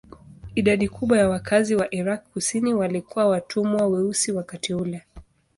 Idadi kubwa ya wakazi wa Irak kusini walikuwa watumwa weusi wakati ule.